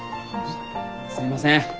すいません